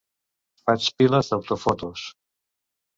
Faig piles d'autofotos.